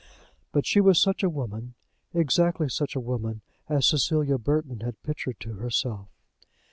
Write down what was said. But she was such a woman, exactly such a woman, as Cecilia Burton had pictured to herself.